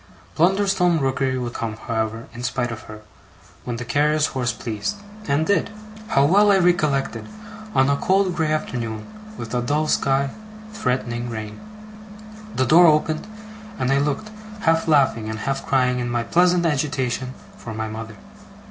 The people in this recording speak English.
Blunderstone Rookery would come, however, in spite of her, when the carrier's horse pleased and did. How well I recollect it, on a cold grey afternoon, with a dull sky, threatening rain! The door opened, and I looked, half laughing and half crying in my pleasant agitation, for my mother.